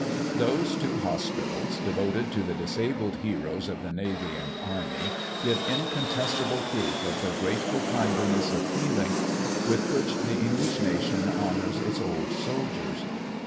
Those two hospitals, devoted to the disabled heroes of the navy and army, give incontestable proof of the grateful kindliness of feeling with which the English nation honors its old soldiers.